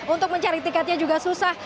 untuk mencari tiketnya juga susah